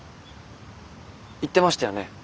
言ってましたよね